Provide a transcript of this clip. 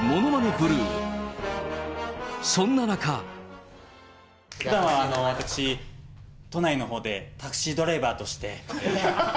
ふだんは私、都内のほうでタクシードライバーとして。